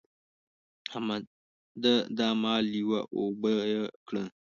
احمده! دا مال یوه او اوبه يې کړه.